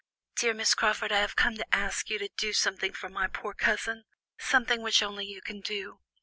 "Dear Miss Crawford, I have come to ask you to do something for my poor cousin, something which only you can do.